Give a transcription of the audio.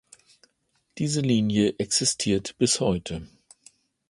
Diese Linie existiert bis heute.